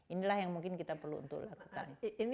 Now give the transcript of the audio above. inilah yang mungkin kita perlu untuk lakukan